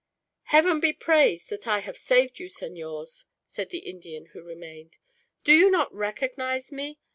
"Heaven be praised that I have saved you, senors!" said the Indian who remained. "Do you not recognize me?